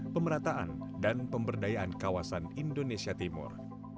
pemerataan dan pemberdayaan kawasan indonesia timur